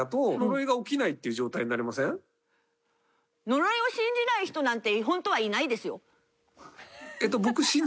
呪いを信じない人なんて本当はいないですよ。